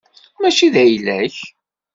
Mačči d ayla-k.